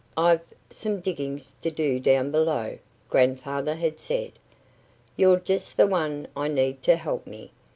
I've some digging to do down below," Grandfather had said. "You're just the one I need to help me!"